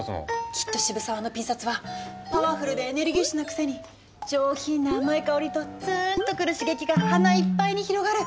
きっと渋沢のピン札はパワフルでエネルギッシュなくせに上品な甘い香りとつーんとくる刺激が鼻いっぱいに広がる。